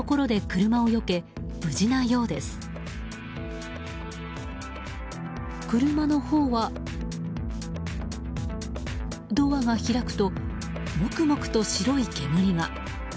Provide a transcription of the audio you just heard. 車のほうは、ドアが開くとモクモクと白い煙が。